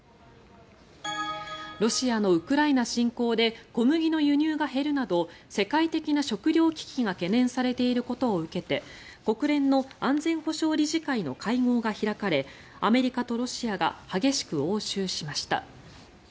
ロシアのウクライナ侵攻で小麦の輸入が減るなど世界的な食糧危機が懸念されていることを受けて国連の安全保障理事会の会合が開かれアメリカとロシアが激しく応酬しました。